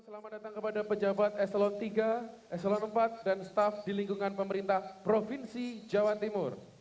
selamat datang kepada pejabat eselon tiga eselon empat dan staff di lingkungan pemerintah provinsi jawa timur